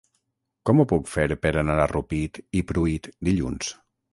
Com ho puc fer per anar a Rupit i Pruit dilluns?